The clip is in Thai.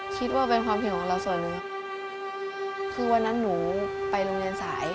คิดว่าเป็นความผิดของเราส่วนหนึ่งคือวันนั้นหนูไปโรงเรียนสาย